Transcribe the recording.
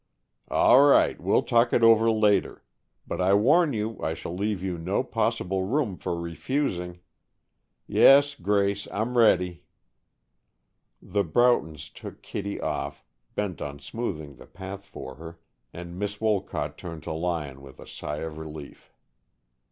"All right. We'll talk it over later. But I warn you I shall leave you no possible room for refusing. Yes, Grace, I'm ready." The Broughtons took Kittie off, bent on smoothing the path for her, and Miss Wolcott turned to Lyon with a sigh of relief.